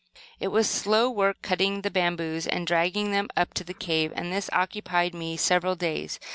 It was slow work cutting the bamboos and dragging them up to the cave, and this occupied me several days.